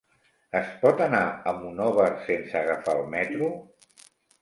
Es pot anar a Monòver sense agafar el metro?